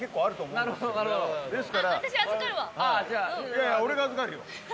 いやいや俺が預かるよ。